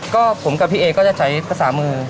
ก็ผมกับพี่เอก็จะใช้ภาษามือ